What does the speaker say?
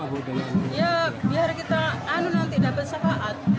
ya biar kita nanti dapat syafaat